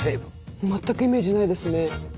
全くイメージないですね。